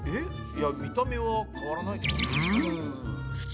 いや見た目は変わらない。